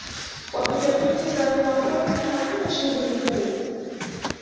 Wapiga picha za wanyamapori na hakuna shughuli kuu